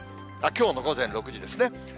きょうの午前６時ですね。